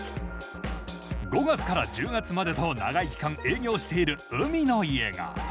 ５月から１０月までと長い期間営業している海の家が。